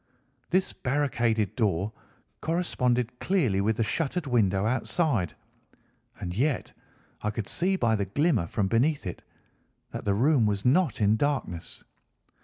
This barricaded door corresponded clearly with the shuttered window outside, and yet I could see by the glimmer from beneath it that the room was not in darkness.